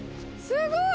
すごい！